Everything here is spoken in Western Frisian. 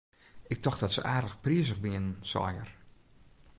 Ik tocht dat se aardich prizich wienen, sei er.